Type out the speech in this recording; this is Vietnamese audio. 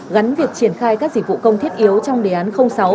gắn việc triển khai các dịch vụ công thiết yếu trong đề án sáu